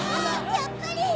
やっぱり！